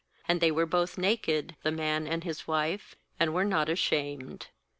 25And they were both naked, the man and his wife, and were not ashamed.